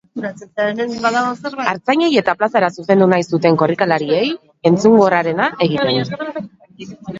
Artzainei eta plazara zuzendu nahi zuten korrikalariei entzungorrarena egiten.